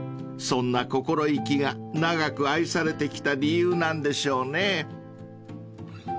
［そんな心意気が長く愛されてきた理由なんでしょうね］